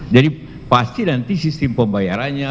jadi pasti nanti sistem pembayarannya